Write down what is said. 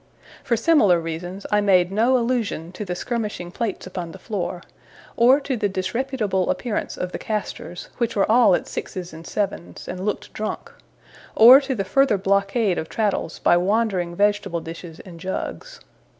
For similar reasons I made no allusion to the skirmishing plates upon the floor; or to the disreputable appearance of the castors, which were all at sixes and sevens, and looked drunk; or to the further blockade of Traddles by wandering vegetable dishes and jugs.